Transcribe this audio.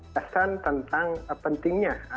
pesan tentang pentingnya